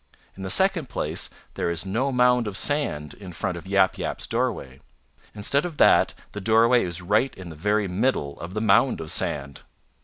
In the second place there is no mound of sand in front of Yap Yap's doorway. Instead of that the doorway is right in the very middle of the mound of sand.